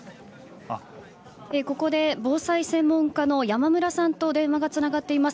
ここで防災専門家のヤマムラさんと電話がつながっています。